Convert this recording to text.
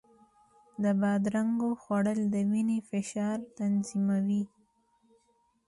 د بادرنګو خوړل د وینې فشار تنظیموي.